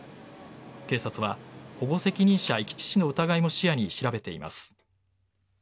警察は保護責任者遺棄致死の疑いも視野に、調べています。